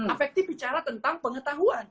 apektif bicara tentang pengetahuan